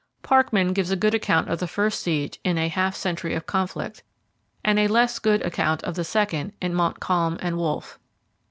Parkman gives a good account of the first siege in 'A Half Century of Conflict', and a less good account of the second in 'Montcalm and Wolfe'.